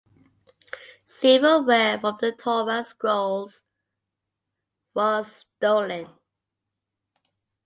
Silverware from the Torah scrolls was stolen.